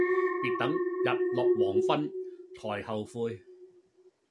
別等日落黃昏才後悔